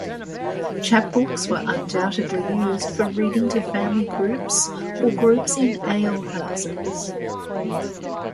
Chapbooks were undoubtedly used for reading to family groups or groups in alehouses.